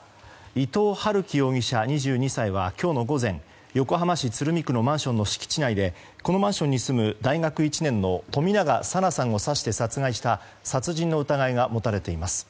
伊藤龍稀容疑者、２２歳は今日の午前横浜市鶴見区のマンションの敷地内でこのマンションに住む大学１年の冨永紗菜さんを刺して殺害した殺人の疑いが持たれています。